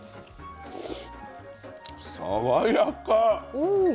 爽やか。